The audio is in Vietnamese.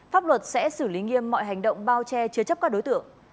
pháp luật sẽ xử lý nghiêm mọi hành động bao che chứa chấp các đối tượng